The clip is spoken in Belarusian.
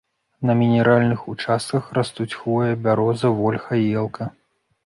На мінеральных участках растуць хвоя, бяроза, вольха, елка.